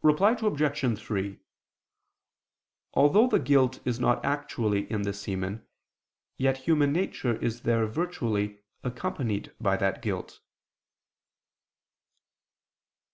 Reply Obj. 3: Although the guilt is not actually in the semen, yet human nature is there virtually accompanied by that guilt.